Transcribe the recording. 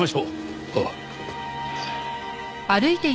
ああ。